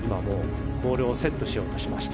ボールをセットしようとしました。